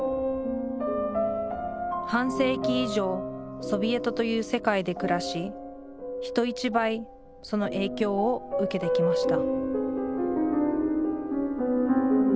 半世紀以上ソビエトという世界で暮らし人一倍その影響を受けてきました